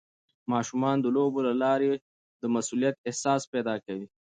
ماشومان د لوبو له لارې د مسؤلیت احساس پیدا کوي.